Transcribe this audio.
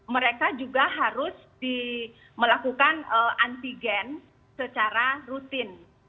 mereka juga harus melakukan antigen secara rutin